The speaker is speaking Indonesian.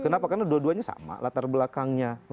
kenapa karena dua duanya sama latar belakangnya